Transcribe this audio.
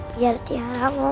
biar tiara mau manjat kok itu ya